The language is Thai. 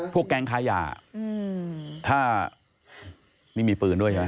แก๊งค้ายาถ้านี่มีปืนด้วยใช่ไหม